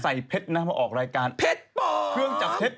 นานใส่เพชรนะพอออกรายการเพชรปลอม